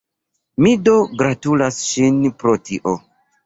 Mi do gratulas ŝin pro tio!